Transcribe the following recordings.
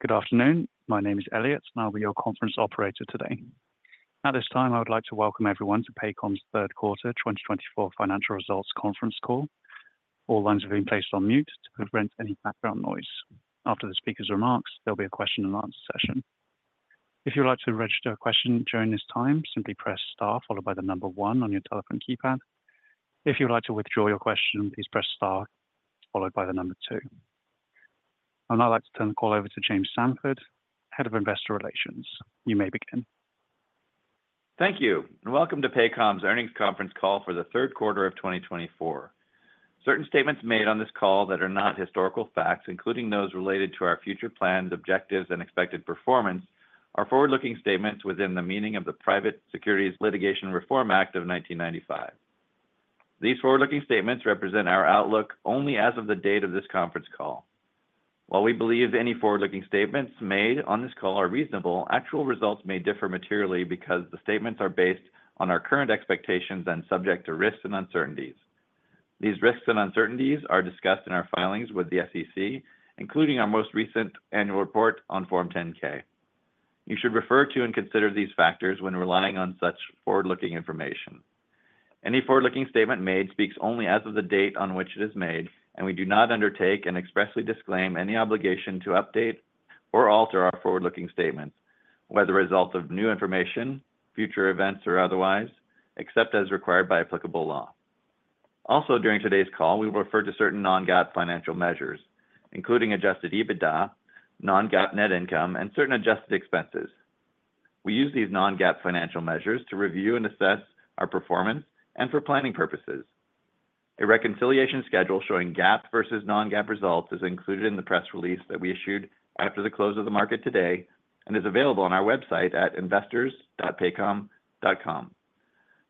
Good afternoon. My name is Elliot, and I'll be your conference operator today. At this time, I would like to welcome everyone to Paycom's Third Quarter 2024 Financial Results Conference Call. All lines have been placed on mute to prevent any background noise. After the speaker's remarks, there'll be a question-and-answer session. If you'd like to register a question during this time, simply press Star followed by the number one on your telephone keypad. If you'd like to withdraw your question, please press Star followed by the number two. I'd now like to turn the call over to James Samford, Head of Investor Relations. You may begin. Thank you, and welcome to Paycom's Earnings Conference Call for the third quarter of 2024. Certain statements made on this call that are not historical facts, including those related to our future plans, objectives, and expected performance, are forward-looking statements within the meaning of the Private Securities Litigation Reform Act of 1995. These forward-looking statements represent our outlook only as of the date of this conference call. While we believe any forward-looking statements made on this call are reasonable, actual results may differ materially because the statements are based on our current expectations and subject to risks and uncertainties. These risks and uncertainties are discussed in our filings with the SEC, including our most recent annual report on Form 10-K. You should refer to and consider these factors when relying on such forward-looking information. Any forward-looking statement made speaks only as of the date on which it is made, and we do not undertake and expressly disclaim any obligation to update or alter our forward-looking statements, whether result of new information, future events, or otherwise, except as required by applicable law. Also, during today's call, we will refer to certain non-GAAP financial measures, including adjusted EBITDA, non-GAAP net income, and certain adjusted expenses. We use these non-GAAP financial measures to review and assess our performance and for planning purposes. A reconciliation schedule showing GAAP versus non-GAAP results is included in the press release that we issued after the close of the market today and is available on our website at investors.paycom.com.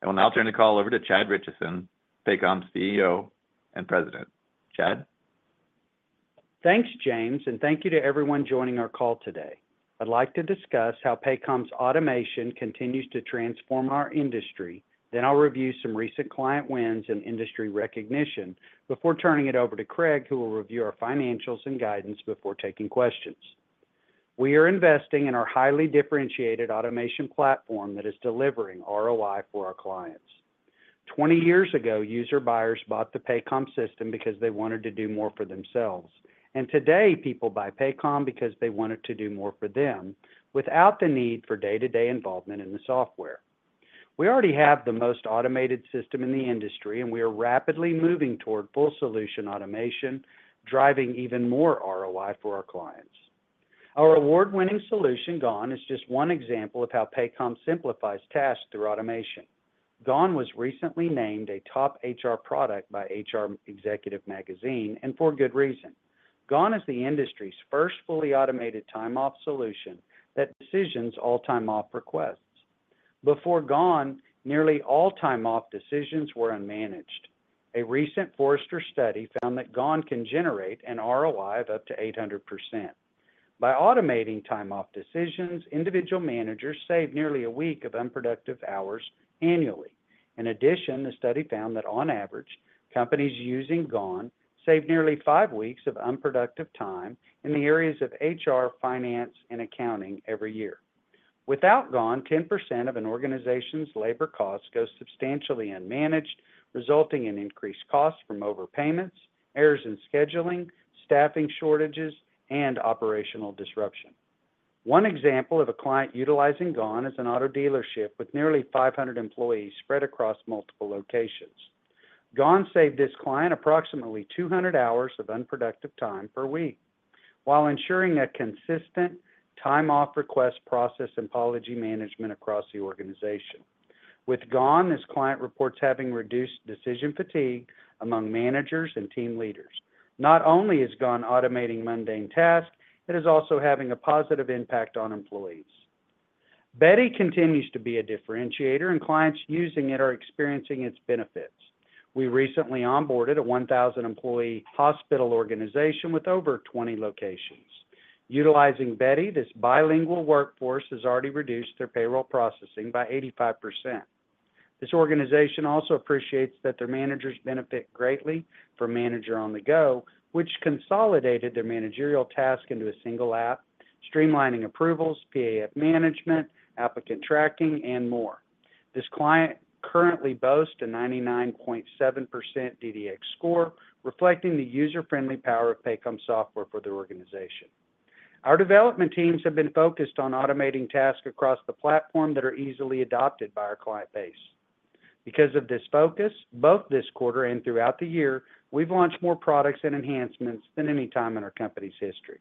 I will now turn the call over to Chad Richison, Paycom's CEO and President. Chad. Thanks, James, and thank you to everyone joining our call today. I'd like to discuss how Paycom's automation continues to transform our industry. Then I'll review some recent client wins and industry recognition before turning it over to Craig, who will review our financials and guidance before taking questions. We are investing in our highly differentiated automation platform that is delivering ROI for our clients. Twenty years ago, user buyers bought the Paycom system because they wanted to do more for themselves, and today, people buy Paycom because they want it to do more for them without the need for day-to-day involvement in the software. We already have the most automated system in the industry, and we are rapidly moving toward full-solution automation, driving even more ROI for our clients. Our award-winning solution, Gone, is just one example of how Paycom simplifies tasks through automation. Gone was recently named a top HR product by HR Executive Magazine, and for good reason. Gone is the industry's first fully automated time-off solution that decisions all time-off requests. Before Gone, nearly all time-off decisions were unmanaged. A recent Forrester study found that Gone can generate an ROI of up to 800%. By automating time-off decisions, individual managers save nearly a week of unproductive hours annually. In addition, the study found that, on average, companies using Gone save nearly five weeks of unproductive time in the areas of HR, finance, and accounting every year. Without Gone, 10% of an organization's labor costs go substantially unmanaged, resulting in increased costs from overpayments, errors in scheduling, staffing shortages, and operational disruption. One example of a client utilizing Gone is an auto dealership with nearly 500 employees spread across multiple locations. Gone saved this client approximately 200 hours of unproductive time per week while ensuring a consistent time-off request process and policy management across the organization. With Gone, this client reports having reduced decision fatigue among managers and team leaders. Not only is Gone automating mundane tasks, it is also having a positive impact on employees. Beti continues to be a differentiator, and clients using it are experiencing its benefits. We recently onboarded a 1,000-employee hospital organization with over 20 locations. Utilizing Beti, this bilingual workforce has already reduced their payroll processing by 85%. This organization also appreciates that their managers benefit greatly from Manager on-the-Go, which consolidated their managerial tasks into a single app, streamlining approvals, PAF management, applicant tracking, and more. This client currently boasts a 99.7% DDX score, reflecting the user-friendly power of Paycom software for the organization. Our development teams have been focused on automating tasks across the platform that are easily adopted by our client base. Because of this focus, both this quarter and throughout the year, we've launched more products and enhancements than any time in our company's history.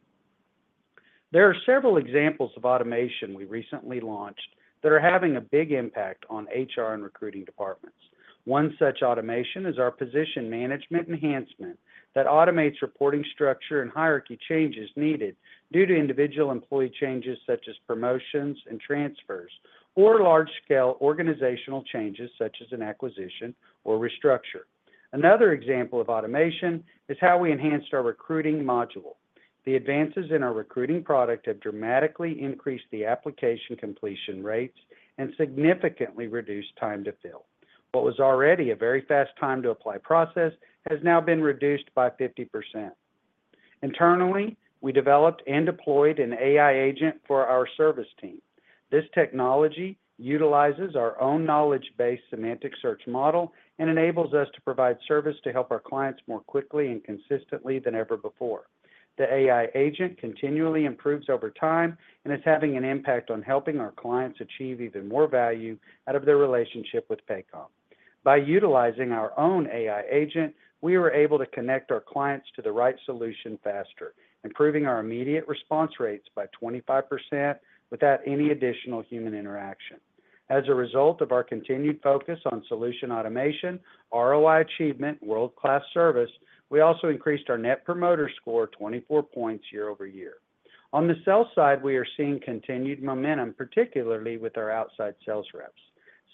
There are several examples of automation we recently launched that are having a big impact on HR and recruiting departments. One such automation is our position management enhancement that automates reporting structure and hierarchy changes needed due to individual employee changes such as promotions and transfers or large-scale organizational changes such as an acquisition or restructure. Another example of automation is how we enhanced our recruiting module. The advances in our recruiting product have dramatically increased the application completion rates and significantly reduced time to fill. What was already a very fast time-to-apply process has now been reduced by 50%. Internally, we developed and deployed an AI agent for our service team. This technology utilizes our own knowledge-based semantic search model and enables us to provide service to help our clients more quickly and consistently than ever before. The AI agent continually improves over time and is having an impact on helping our clients achieve even more value out of their relationship with Paycom. By utilizing our own AI agent, we were able to connect our clients to the right solution faster, improving our immediate response rates by 25% without any additional human interaction. As a result of our continued focus on solution automation, ROI achievement, and world-class service, we also increased our Net Promoter Score 24 points year over year. On the sales side, we are seeing continued momentum, particularly with our outside sales reps.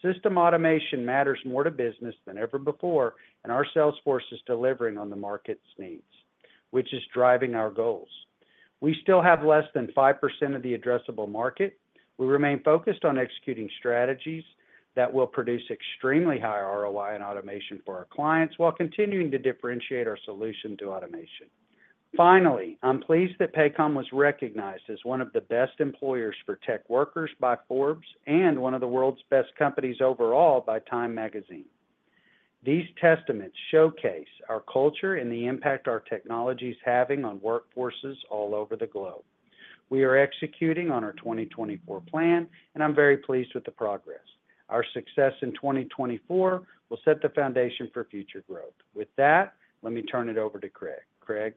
System automation matters more to business than ever before, and our sales force is delivering on the market's needs, which is driving our goals. We still have less than 5% of the addressable market. We remain focused on executing strategies that will produce extremely high ROI and automation for our clients while continuing to differentiate our solution through automation. Finally, I'm pleased that Paycom was recognized as one of the Best Employers for Tech Workers by Forbes and one of the World's Best Companies overall by Time Magazine. These testaments showcase our culture and the impact our technology is having on workforces all over the globe. We are executing on our 2024 plan, and I'm very pleased with the progress. Our success in 2024 will set the foundation for future growth. With that, let me turn it over to Craig.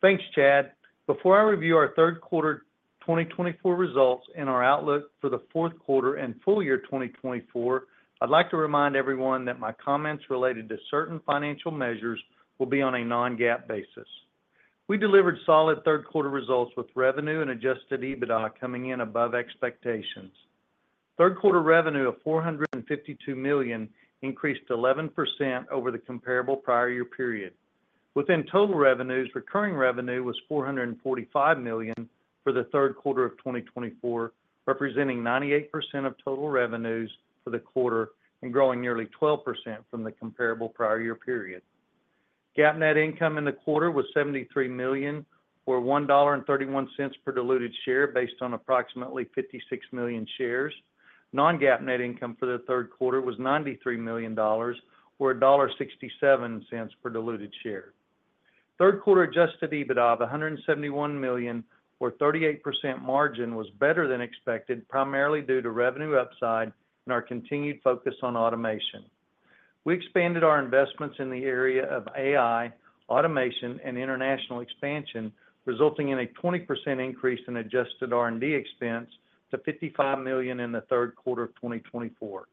Craig. Thanks, Chad. Before I review our third quarter 2024 results and our outlook for the fourth quarter and full year 2024, I'd like to remind everyone that my comments related to certain financial measures will be on a non-GAAP basis. We delivered solid third quarter results with revenue and adjusted EBITDA coming in above expectations. Third Quarter revenue of $452 million increased 11% over the comparable prior year period. Within total revenues, recurring revenue was $445 million for the third quarter of 2024, representing 98% of total revenues for the quarter and growing nearly 12% from the comparable prior year period. GAAP net income in the quarter was $73 million, or $1.31 per diluted share based on approximately 56 million shares. Non-GAAP net income for the third quarter was $93 million, or $1.67 per diluted share. Third quarter adjusted EBITDA of $171 million, or 38% margin, was better than expected primarily due to revenue upside and our continued focus on automation. We expanded our investments in the area of AI, automation, and international expansion, resulting in a 20% increase in adjusted R&D expense to $55 million in the third quarter of 2024.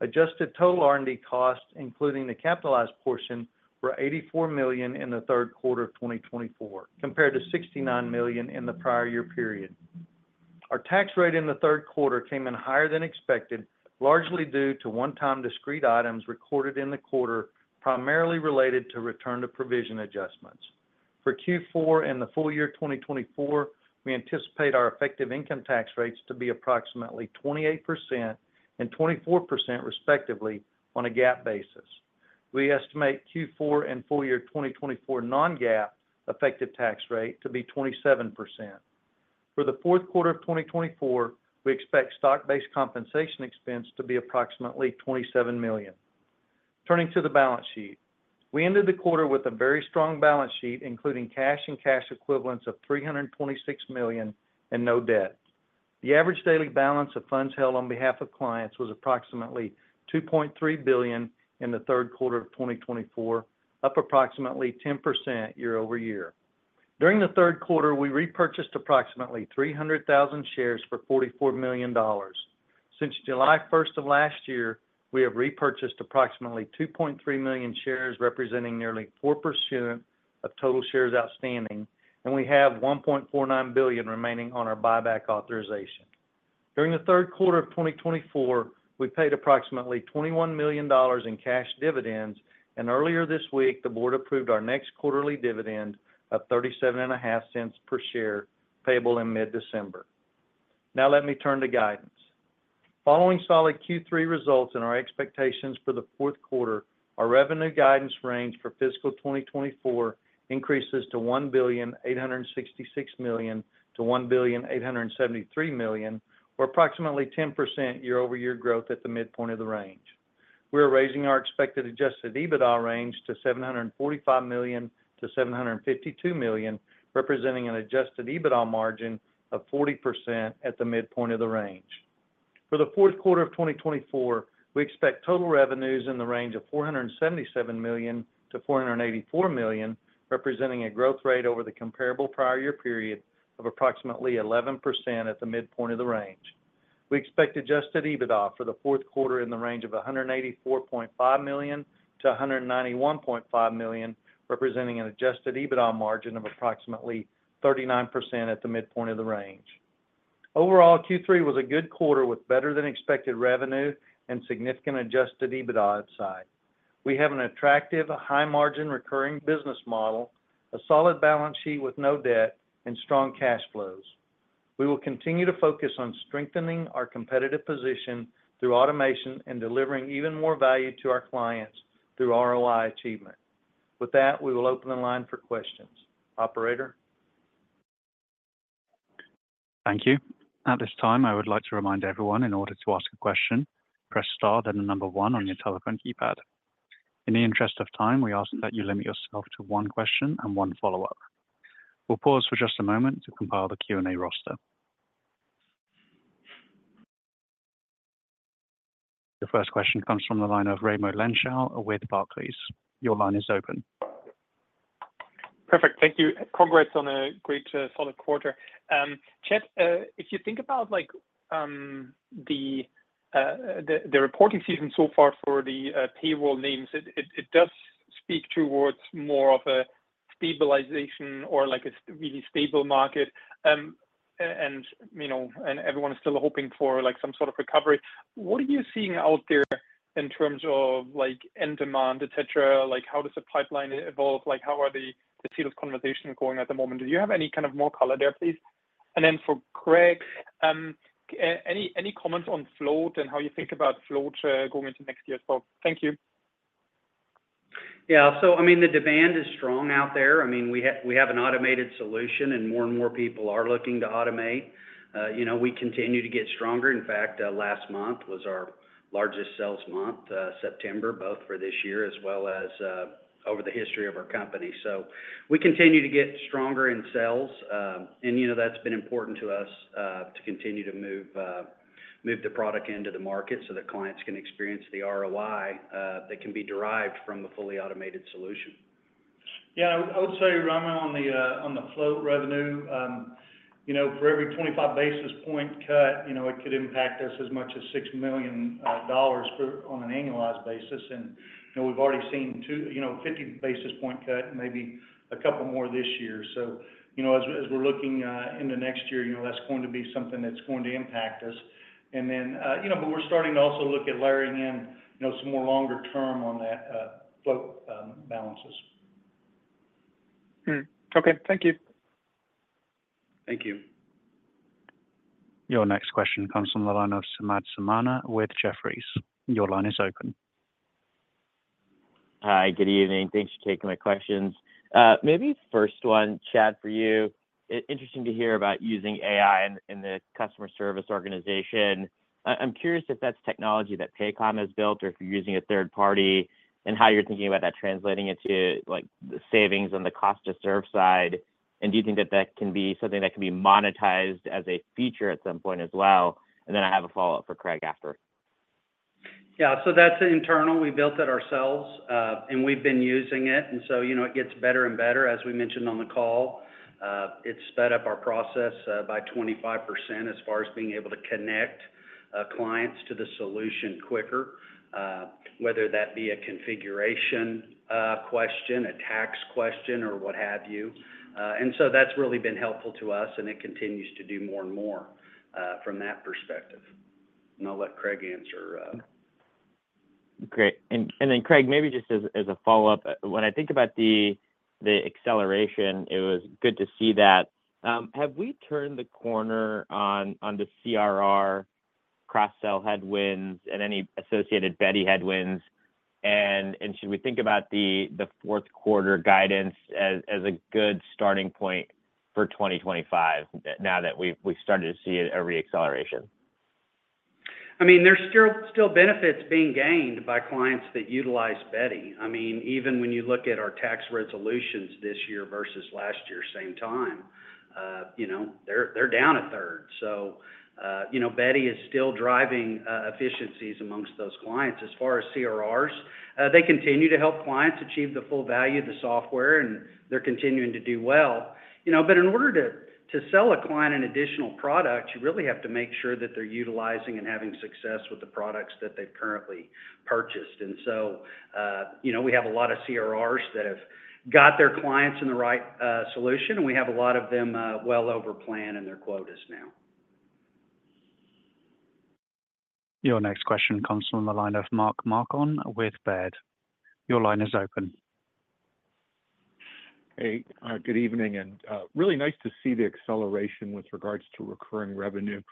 Adjusted total R&D costs, including the capitalized portion, were $84 million in the third quarter of 2024, compared to $69 million in the prior year period. Our tax rate in the third quarter came in higher than expected, largely due to one-time discrete items recorded in the quarter primarily related to return-to-provision adjustments. For Q4 and the full year 2024, we anticipate our effective income tax rates to be approximately 28% and 24% respectively on a GAAP basis. We estimate Q4 and full year 2024 non-GAAP effective tax rate to be 27%. For the fourth quarter of 2024, we expect stock-based compensation expense to be approximately $27 million. Turning to the balance sheet, we ended the quarter with a very strong balance sheet, including cash and cash equivalents of $326 million and no debt. The average daily balance of funds held on behalf of clients was approximately $2.3 billion in the third quarter of 2024, up approximately 10% year-over-year. During the third quarter, we repurchased approximately 300,000 shares for $44 million. Since July 1st of last year, we have repurchased approximately 2.3 million shares, representing nearly 4% of total shares outstanding, and we have $1.49 billion remaining on our buyback authorization. During the third quarter of 2024, we paid approximately $21 million in cash dividends, and earlier this week, the board approved our next quarterly dividend of $0.37 per share payable in mid-December. Now let me turn to guidance. Following solid Q3 results and our expectations for the fourth quarter, our revenue guidance range for fiscal 2024 increases to $1,866 million-$1,873 million, or approximately 10% year-over-year growth at the midpoint of the range. We are raising our expected adjusted EBITDA range to $745 million-$752 million, representing an adjusted EBITDA margin of 40% at the midpoint of the range. For the fourth quarter of 2024, we expect total revenues in the range of $477 million-$484 million, representing a growth rate over the comparable prior year period of approximately 11% at the midpoint of the range. We expect adjusted EBITDA for the fourth quarter in the range of $184.5 million-$191.5 million, representing an adjusted EBITDA margin of approximately 39% at the midpoint of the range. Overall, Q3 was a good quarter with better-than-expected revenue and significant adjusted EBITDA upside. We have an attractive, high-margin recurring business model, a solid balance sheet with no debt, and strong cash flows. We will continue to focus on strengthening our competitive position through automation and delivering even more value to our clients through ROI achievement. With that, we will open the line for questions. Operator. Thank you. At this time, I would like to remind everyone, in order to ask a question, press Star, then the number one on your telephone keypad. In the interest of time, we ask that you limit yourself to one question and one follow-up. We'll pause for just a moment to compile the Q&A roster. The first question comes from the line of Raimo Lenschow with Barclays. Your line is open. Perfect. Thank you. Congrats on a great solid quarter. Chad, if you think about the reporting season so far for the payroll names, it does speak towards more of a stabilization or a really stable market, and everyone is still hoping for some sort of recovery. What are you seeing out there in terms of end demand, etc.? How does the pipeline evolve? How are the sales conversations going at the moment? Do you have any kind of more color there, please? And then for Craig, any comments on float and how you think about float going into next year? Thank you. Yeah. So I mean, the demand is strong out there. I mean, we have an automated solution, and more and more people are looking to automate. We continue to get stronger. In fact, last month was our largest sales month, September, both for this year as well as over the history of our company. So we continue to get stronger in sales, and that's been important to us to continue to move the product into the market so that clients can experience the ROI that can be derived from the fully automated solution. Yeah. I would say, Raimo, on the float revenue, for every 25 basis point cut, it could impact us as much as $6 million on an annualized basis. And we've already seen 50 basis point cut, maybe a couple more this year. So as we're looking into next year, that's going to be something that's going to impact us. And then, but we're starting to also look at layering in some more longer-term on that float balances. Okay. Thank you. Thank you. Your next question comes from the line of Samad Samana with Jefferies. Your line is open. Hi. Good evening. Thanks for taking my questions. Maybe first one, Chad, for you. Interesting to hear about using AI in the customer service organization. I'm curious if that's technology that Paycom has built or if you're using a third party and how you're thinking about that, translating it to the savings on the cost-to-serve side. And do you think that that can be something that can be monetized as a feature at some point as well? And then I have a follow-up for Craig after. Yeah. So that's internal. We built it ourselves, and we've been using it. And so it gets better and better. As we mentioned on the call, it sped up our process by 25% as far as being able to connect clients to the solution quicker, whether that be a configuration question, a tax question, or what have you. And so that's really been helpful to us, and it continues to do more and more from that perspective. And I'll let Craig answer. Great. And then, Craig, maybe just as a follow-up, when I think about the acceleration, it was good to see that. Have we turned the corner on the CRR cross-sell headwinds and any associated Beti headwinds? And should we think about the fourth quarter guidance as a good starting point for 2025 now that we've started to see a re-acceleration? I mean, there's still benefits being gained by clients that utilize Beti. I mean, even when you look at our tax resolutions this year versus last year, same time, they're down a third. So Beti is still driving efficiencies amongst those clients. As far as CRRs, they continue to help clients achieve the full value of the software, and they're continuing to do well. But in order to sell a client an additional product, you really have to make sure that they're utilizing and having success with the products that they've currently purchased. And so we have a lot of CRRs that have got their clients in the right solution, and we have a lot of them well over plan, and their quota is now. Your next question comes from the line of Mark Marcon with Baird. Your line is open. Hey. Good evening, and really nice to see the acceleration with regards to recurring revenue.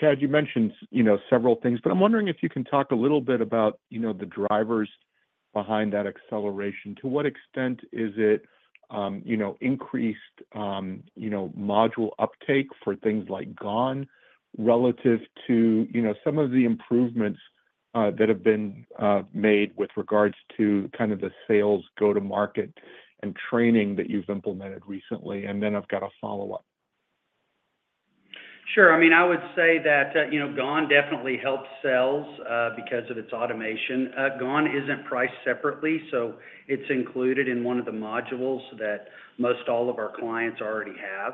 Chad, you mentioned several things, but I'm wondering if you can talk a little bit about the drivers behind that acceleration. To what extent is it increased module uptake for things like Gone relative to some of the improvements that have been made with regards to kind of the sales, go-to-market, and training that you've implemented recently? And then I've got a follow-up. Sure. I mean, I would say that Gone definitely helps sales because of its automation. Gone isn't priced separately, so it's included in one of the modules that most all of our clients already have.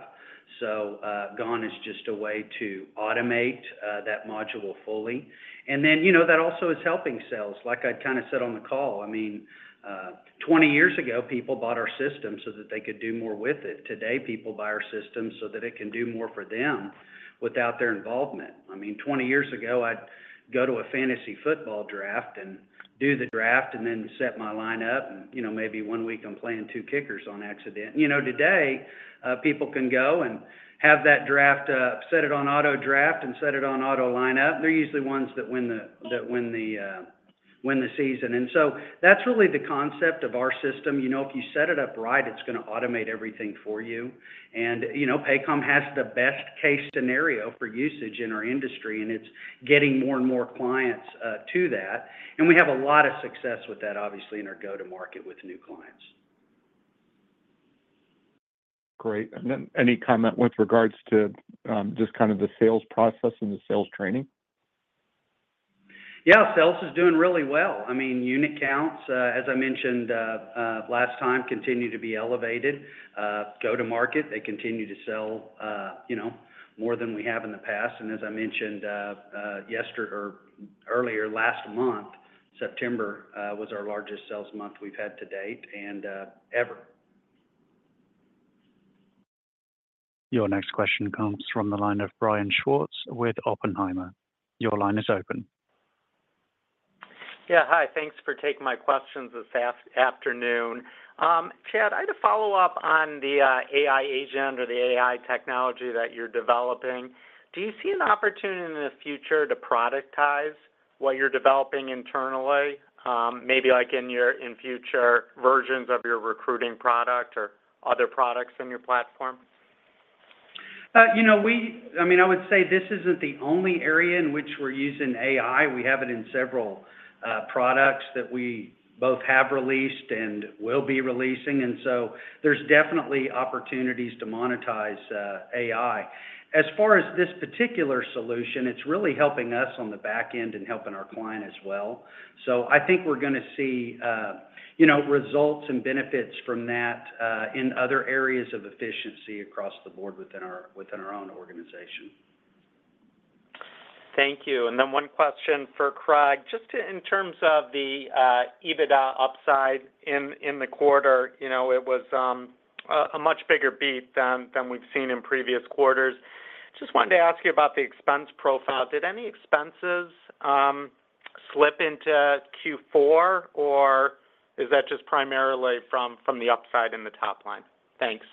So Gone is just a way to automate that module fully. And then that also is helping sales, like I kind of said on the call. I mean, 20 years ago, people bought our system so that they could do more with it. Today, people buy our system so that it can do more for them without their involvement. I mean, 20 years ago, I'd go to a fantasy football draft and do the draft and then set my line up. And maybe one week, I'm playing two kickers on accident. Today, people can go and have that draft up, set it on auto draft, and set it on auto lineup. They're usually ones that win the season. And so that's really the concept of our system. If you set it up right, it's going to automate everything for you. And Paycom has the best-case scenario for usage in our industry, and it's getting more and more clients to that. And we have a lot of success with that, obviously, in our go-to-market with new clients. Great, and then any comment with regards to just kind of the sales process and the sales training? Yeah. Sales is doing really well. I mean, unit counts, as I mentioned last time, continue to be elevated. Go-to-market, they continue to sell more than we have in the past. And as I mentioned earlier, last month, September was our largest sales month we've had to date and ever. Your next question comes from the line of Brian Schwartz with Oppenheimer. Your line is open. Yeah. Hi. Thanks for taking my questions this afternoon. Chad, I had a follow-up on the AI agent or the AI technology that you're developing. Do you see an opportunity in the future to productize what you're developing internally, maybe in future versions of your recruiting product or other products in your platform? I mean, I would say this isn't the only area in which we're using AI. We have it in several products that we both have released and will be releasing, and so there's definitely opportunities to monetize AI. As far as this particular solution, it's really helping us on the back end and helping our client as well, so I think we're going to see results and benefits from that in other areas of efficiency across the board within our own organization. Thank you. And then one question for Craig, just in terms of the EBITDA upside in the quarter. It was a much bigger beat than we've seen in previous quarters. Just wanted to ask you about the expense profile. Did any expenses slip into Q4, or is that just primarily from the upside in the top line? Thanks.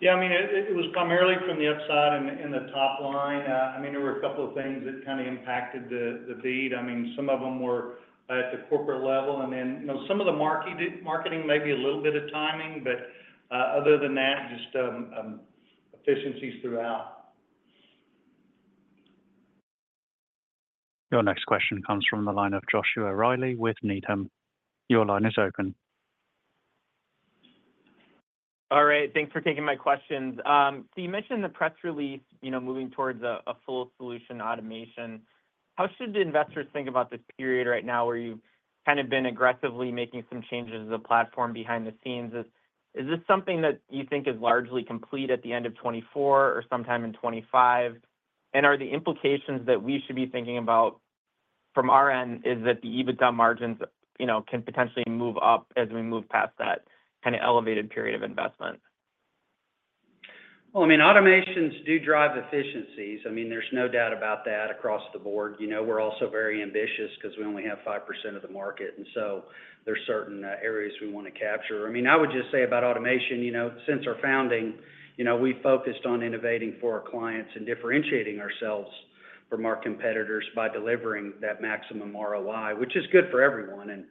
Yeah. I mean, it was primarily from the upside in the top line. I mean, there were a couple of things that kind of impacted the beat. I mean, some of them were at the corporate level, and then some of the marketing, maybe a little bit of timing. But other than that, just efficiencies throughout. Your next question comes from the line of Josh Riley with Needham. Your line is open. All right. Thanks for taking my questions. So you mentioned the press release moving towards a full solution automation. How should investors think about this period right now where you've kind of been aggressively making some changes to the platform behind the scenes? Is this something that you think is largely complete at the end of 2024 or sometime in 2025? And are the implications that we should be thinking about from our end is that the EBITDA margins can potentially move up as we move past that kind of elevated period of investment? I mean, automations do drive efficiencies. I mean, there's no doubt about that across the board. We're also very ambitious because we only have 5% of the market, and so there are certain areas we want to capture. I mean, I would just say about automation, since our founding, we focused on innovating for our clients and differentiating ourselves from our competitors by delivering that maximum ROI, which is good for everyone. And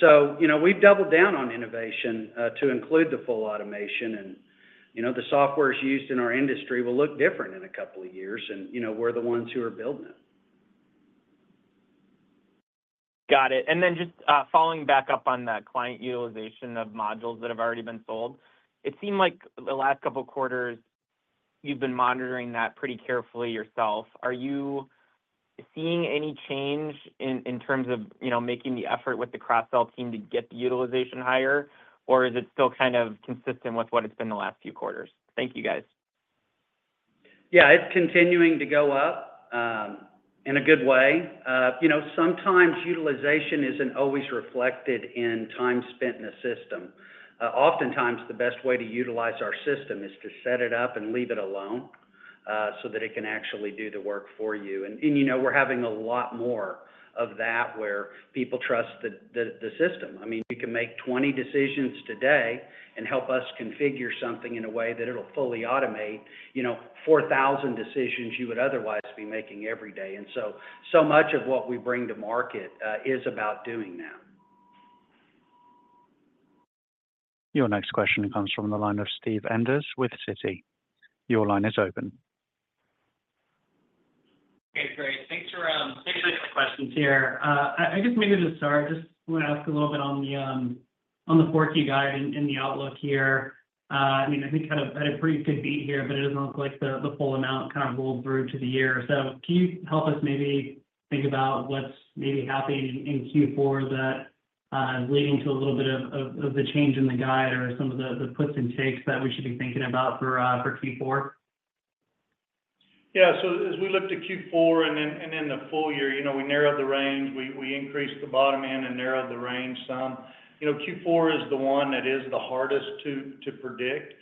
so we've doubled down on innovation to include the full automation, and the software used in our industry will look different in a couple of years, and we're the ones who are building it. Got it. And then just following back up on that client utilization of modules that have already been sold, it seemed like the last couple of quarters you've been monitoring that pretty carefully yourself. Are you seeing any change in terms of making the effort with the cross-sell team to get the utilization higher, or is it still kind of consistent with what it's been the last few quarters? Thank you, guys. Yeah. It's continuing to go up in a good way. Sometimes utilization isn't always reflected in time spent in the system. Oftentimes, the best way to utilize our system is to set it up and leave it alone so that it can actually do the work for you. And we're having a lot more of that where people trust the system. I mean, you can make 20 decisions today and help us configure something in a way that it'll fully automate 4,000 decisions you would otherwise be making every day. And so much of what we bring to market is about doing that. Your next question comes from the line of Steve Enders with Citi. Your line is open. Okay. Great. Thanks for the questions here. I guess maybe to start, I just want to ask a little bit on the FY guide and the outlook here. I mean, I think we had a pretty good beat here, but it doesn't look like the full amount kind of rolled through to the year. So can you help us maybe think about what's maybe happening in Q4 that is leading to a little bit of the change in the guide or some of the puts and takes that we should be thinking about for Q4? Yeah. So as we looked at Q4 and then the full year, we narrowed the range. We increased the bottom end and narrowed the range some. Q4 is the one that is the hardest to predict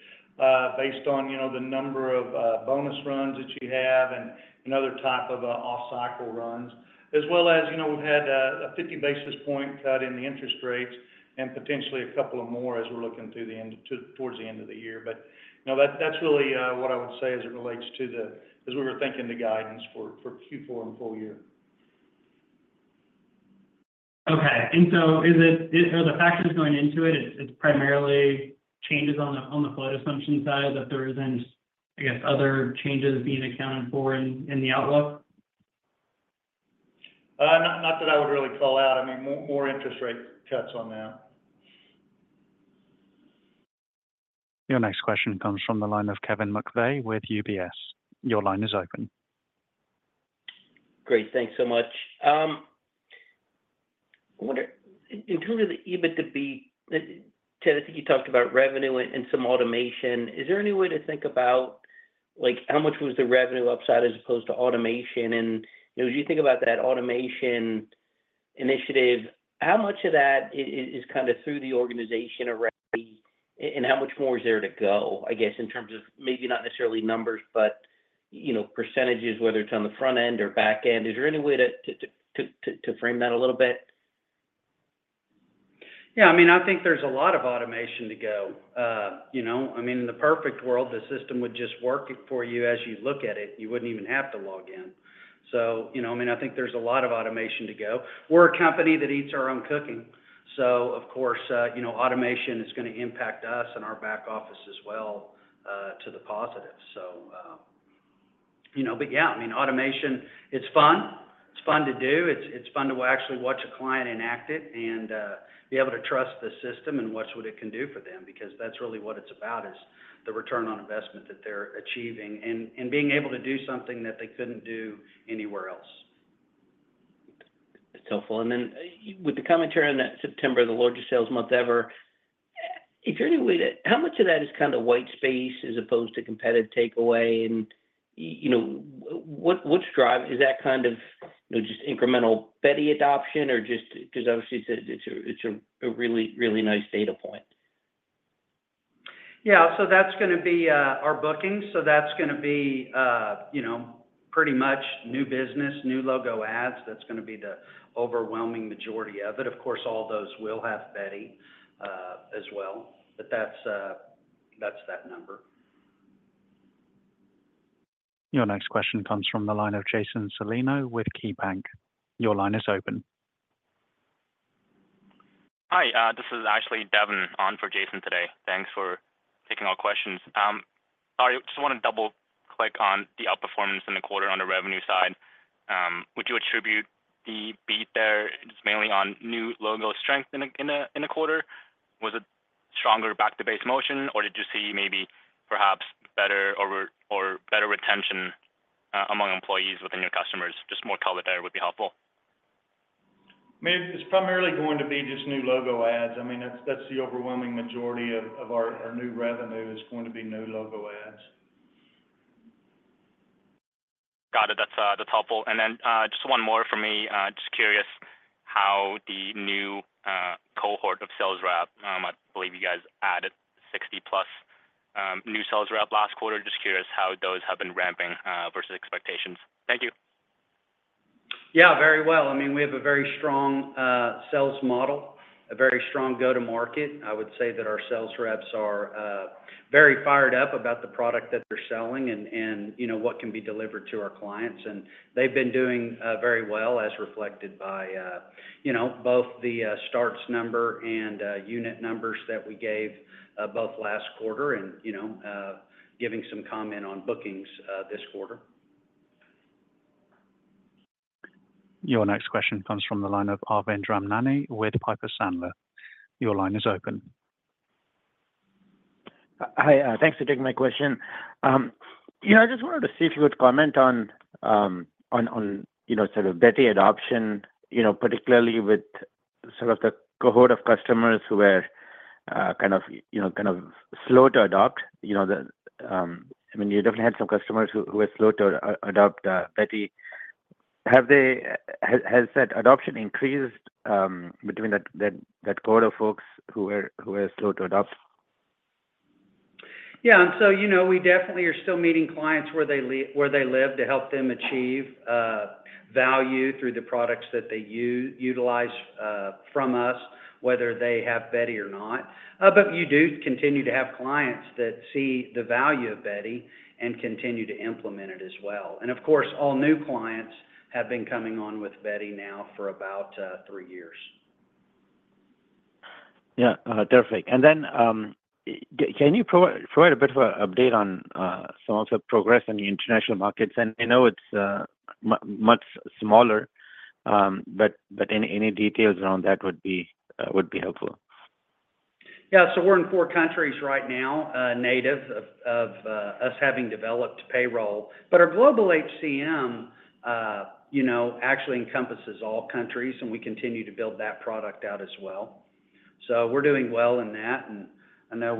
based on the number of bonus runs that you have and other type of off-cycle runs, as well as we've had a 50 basis point cut in the interest rates and potentially a couple more as we're looking towards the end of the year. But that's really what I would say as it relates to, as we were thinking, the guidance for Q4 and full year. Okay. And so are the factors going into it? It's primarily changes on the float assumption side that there isn't, I guess, other changes being accounted for in the outlook? Not that I would really call out. I mean, more interest rate cuts on that. Your next question comes from the line of Kevin McVeigh with UBS. Your line is open. Great. Thanks so much. In terms of the EBITDA beat, Chad, I think you talked about revenue and some automation. Is there any way to think about how much was the revenue upside as opposed to automation? And as you think about that automation initiative, how much of that is kind of through the organization already, and how much more is there to go, I guess, in terms of maybe not necessarily numbers, but percentages, whether it's on the front end or back end? Is there any way to frame that a little bit? Yeah. I mean, I think there's a lot of automation to go. I mean, in the perfect world, the system would just work for you as you look at it. You wouldn't even have to log in. So I mean, I think there's a lot of automation to go. We're a company that eats our own cooking. So of course, automation is going to impact us and our back office as well to the positive. But yeah, I mean, automation, it's fun. It's fun to do. It's fun to actually watch a client enact it and be able to trust the system and watch what it can do for them because that's really what it's about, is the return on investment that they're achieving and being able to do something that they couldn't do anywhere else. That's helpful. And then with the commentary on that September, the largest sales month ever, is there any way to how much of that is kind of white space as opposed to competitive takeaway? And what's driving? Is that kind of just incremental Beti adoption or just because obviously, it's a really, really nice data point? Yeah. So that's going to be our booking. So that's going to be pretty much new business, new logo adds. That's going to be the overwhelming majority of it. Of course, all those will have Beti as well, but that's that number. Your next question comes from the line of Jason Celino with KeyBanc Capital Markets. Your line is open. Hi. This is actually Devin on for Jason today. Thanks for taking all questions. Sorry. I just want to double-click on the outperformance in the quarter on the revenue side. Would you attribute the beat there? It's mainly on new logo strength in the quarter. Was it stronger back-to-base motion, or did you see maybe perhaps better retention among employees within your customers? Just more color there would be helpful. It's primarily going to be just new logo adds. I mean, that's the overwhelming majority of our new revenue is going to be new logo adds. Got it. That's helpful. And then just one more for me. Just curious how the new cohort of sales rep, I believe you guys added 60-plus new sales rep last quarter. Just curious how those have been ramping versus expectations. Thank you. Yeah. Very well. I mean, we have a very strong sales model, a very strong go-to-market. I would say that our sales reps are very fired up about the product that they're selling and what can be delivered to our clients. And they've been doing very well as reflected by both the starts number and unit numbers that we gave both last quarter and giving some comment on bookings this quarter. Your next question comes from the line of Arvind Ramnani with Piper Sandler. Your line is open. Hi. Thanks for taking my question. Yeah. I just wanted to see if you would comment on sort of Beti adoption, particularly with sort of the cohort of customers who were kind of slow to adopt. I mean, you definitely had some customers who were slow to adopt Beti. Has that adoption increased between that cohort of folks who were slow to adopt? Yeah. And so we definitely are still meeting clients where they live to help them achieve value through the products that they utilize from us, whether they have Beti or not. But you do continue to have clients that see the value of Beti and continue to implement it as well. And of course, all new clients have been coming on with Beti now for about three years. Yeah. Terrific. And then can you provide a bit of an update on some of the progress in the international markets? And I know it's much smaller, but any details around that would be helpful. Yeah. So we're in four countries right now, with native payroll we've developed. But our Global HCM actually encompasses all countries, and we continue to build that product out as well. So we're doing well in that. And I know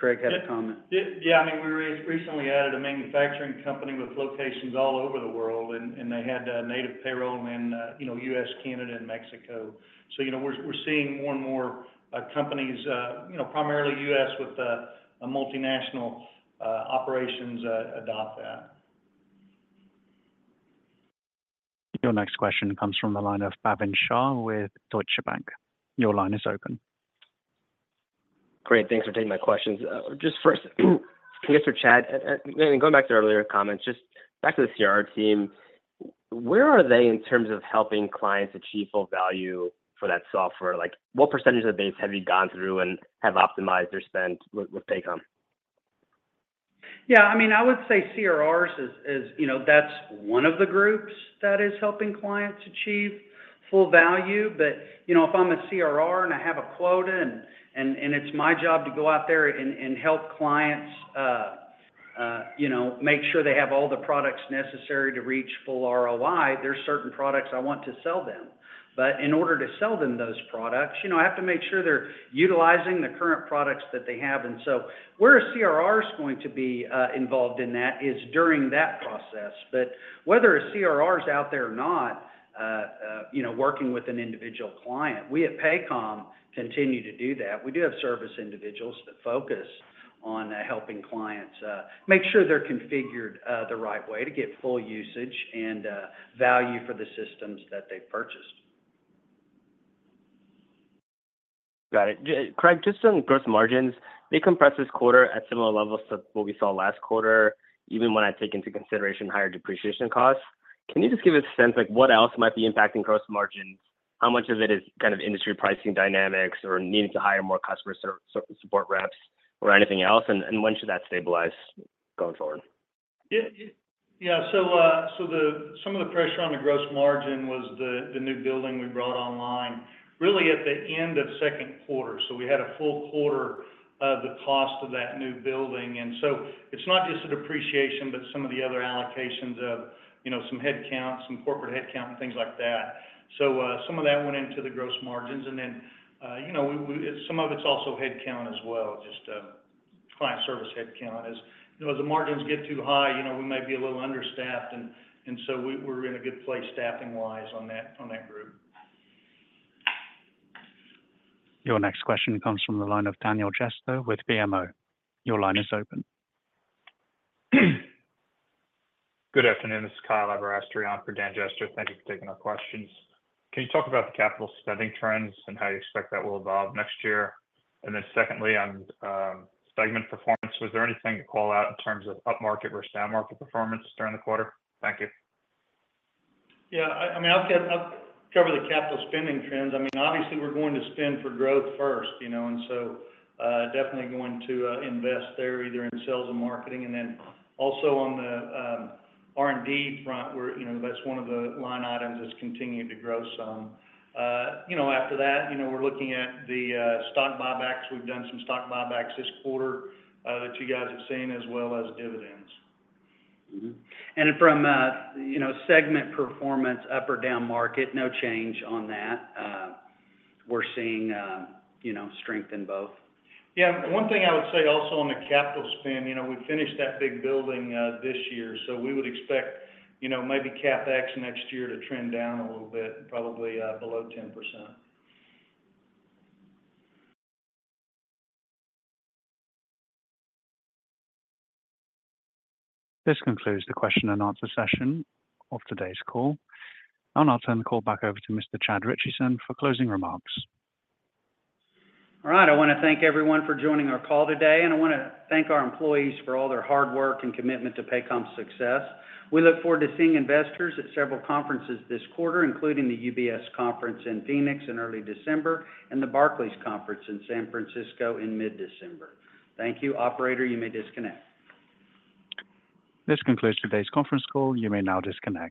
Craig had a comment. Yeah. I mean, we recently added a manufacturing company with locations all over the world, and they had native payroll in U.S., Canada, and Mexico. So we're seeing more and more companies, primarily U.S., with multinational operations adopt that. Your next question comes from the line of Bhavin Shah with Deutsche Bank. Your line is open. Great. Thanks for taking my questions. Just first, I guess for Chad, and going back to earlier comments, just back to the CR team, where are they in terms of helping clients achieve full value for that software? What percentage of the base have you gone through and have optimized their spend with Paycom? Yeah. I mean, I would say CRRs, that's one of the groups that is helping clients achieve full value. But if I'm a CRR and I have a quota, and it's my job to go out there and help clients make sure they have all the products necessary to reach full ROI, there are certain products I want to sell them. But in order to sell them those products, I have to make sure they're utilizing the current products that they have. And so where a CRR is going to be involved in that is during that process. But whether a CRR is out there or not, working with an individual client, we at Paycom continue to do that. We do have service individuals that focus on helping clients make sure they're configured the right way to get full usage and value for the systems that they've purchased. Got it. Craig, just on gross margins, they compress this quarter at similar levels to what we saw last quarter, even when I take into consideration higher depreciation costs. Can you just give a sense of what else might be impacting gross margins? How much of it is kind of industry pricing dynamics or needing to hire more customer support reps or anything else? And when should that stabilize going forward? Yeah, so some of the pressure on the gross margin was the new building we brought online really at the end of second quarter, so we had a full quarter of the cost of that new building, and so it's not just the depreciation, but some of the other allocations of some headcount, some corporate headcount, and things like that, so some of that went into the gross margins, and then some of it's also headcount as well, just client service headcount. As the margins get too high, we might be a little understaffed, and so we're in a good place staffing-wise on that group. Your next question comes from the line of Daniel Jester with BMO. Your line is open. Good afternoon. This is Kyle Aberasturi on for Dan Jester. Thank you for taking our questions. Can you talk about the capital spending trends and how you expect that will evolve next year? And then secondly, on segment performance, was there anything to call out in terms of upmarket versus downmarket performance during the quarter? Thank you. Yeah. I mean, I'll cover the capital spending trends. I mean, obviously, we're going to spend for growth first. And so definitely going to invest there either in sales and marketing. And then also on the R&D front, that's one of the line items that's continued to grow some. After that, we're looking at the stock buybacks. We've done some stock buybacks this quarter that you guys have seen, as well as dividends. And from segment performance, up or down market, no change on that. We're seeing strength in both. Yeah. One thing I would say also on the capital spend, we finished that big building this year. So we would expect maybe CapEx next year to trend down a little bit, probably below 10%. This concludes the question and answer session of today's call, and I'll turn the call back over to Mr. Chad Richison for closing remarks. All right. I want to thank everyone for joining our call today. And I want to thank our employees for all their hard work and commitment to Paycom's success. We look forward to seeing investors at several conferences this quarter, including the UBS Conference in Phoenix in early December and the Barclays Conference in San Francisco in mid-December. Thank you. Operator, you may disconnect. This concludes today's conference call. You may now disconnect.